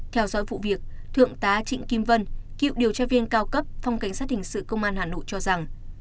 theo dõi vụ việc thượng tá trịnh kim vân cựu điều tra viên cao cấp phòng cảnh sát hình sự công an hà nội cho rằng